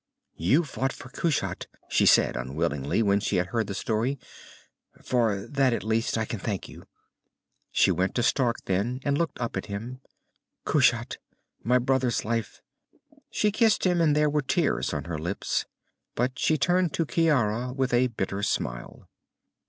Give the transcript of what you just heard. "You fought for Kushat," she said, unwillingly, when she had heard the story. "For that, at least, I can thank you." She went to Stark then, and looked up at him. "Kushat, and my brother's life...." She kissed him, and there were tears on her lips. But she turned to Ciara with a bitter smile.